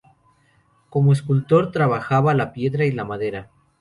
Como escultor trabajaba la piedra y la madera.